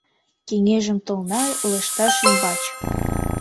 Кеҥежым толна лышташ ӱмбач.